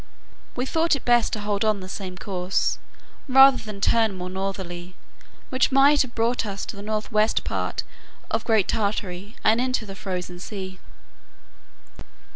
We thought it best to hold on the same course, rather than turn more northerly, which might have brought us to the north west part of Great Tartary, and into the Frozen Sea.